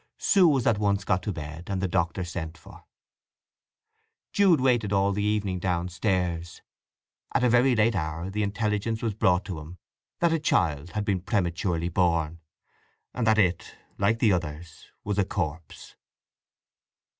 Sue was at once got to bed, and the Doctor sent for. Jude waited all the evening downstairs. At a very late hour the intelligence was brought to him that a child had been prematurely born, and that it, like the others, was a corpse.